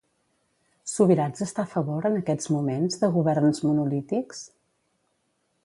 Subirats està a favor, en aquests moments, de governs monolítics?